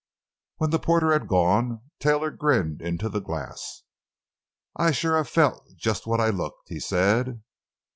When the porter had gone, Taylor grinned into the glass. "I sure have felt just what I looked," he said.